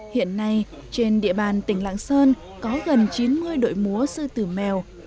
hiện nay trên địa bàn tỉnh lạng sơn có gần chín mươi đội múa sư tử mèo